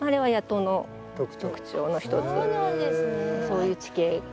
そういう地形。